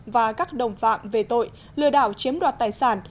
và các đồng phạm về tội lừa đảo chiếm đoạt tài sản